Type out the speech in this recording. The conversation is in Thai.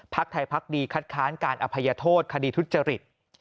ภักดีไทยคัดค้านการอภัยโทษคดีทุจจริต